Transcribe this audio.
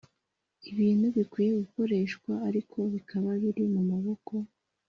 Ibintu bikwiye gusoreshwa ariko bikaba biri mu maboko